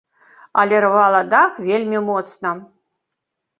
Але рвала дах вельмі моцна.